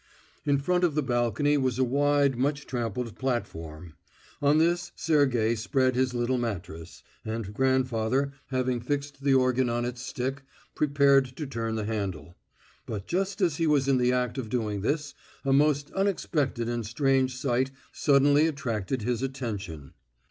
In front of the balcony was a wide, much trampled platform. On this Sergey spread his little mattress, and grandfather, having fixed the organ on its stick, prepared to turn the handle. But just as he was in the act of doing this, a most unexpected and strange sight suddenly attracted his attention.